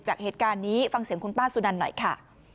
จากเหตุการณ์นี้ฟังเสียงคุณป้าสุนันหน่อยค่ะ